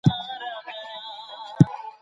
کله ناکله فشار بې قراري پیدا کوي.